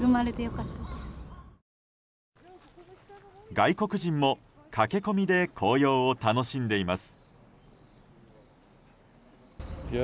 外国人も駆け込みで紅葉を楽しんでいます。